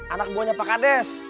anak buahnya pak hades